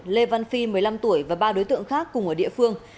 lê văn phi một mươi năm tuổi và ba đối tượng khác cùng ở địa phương